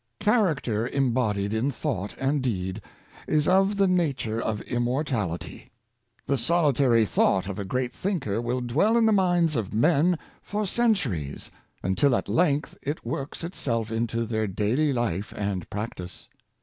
Character embodied in thought and deed, is of the nature of immortality. The solitary thought of a great thinker will dwell in the minds of men for centuries, until at length it works itself into their daily life and practice.